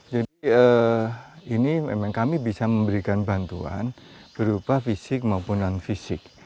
jadi ini memang kami bisa memberikan bantuan berupa fisik maupun non fisik